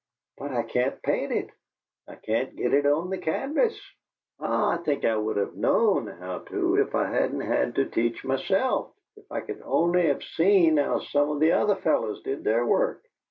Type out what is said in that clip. But I can't paint it I can't get it on the canvas. Ah, I think I might have known how to, if I hadn't had to teach myself, if I could only have seen how some of the other fellows did their work.